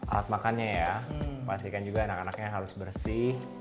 alat makannya ya pastikan juga anak anaknya harus bersih